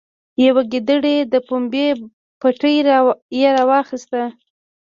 یوه ګېډۍ د پمبې پټی یې راواخیست.